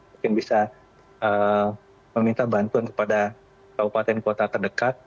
mungkin bisa meminta bantuan kepada kabupaten kota terdekat